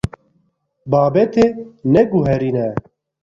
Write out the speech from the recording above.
Babetê neguherîne.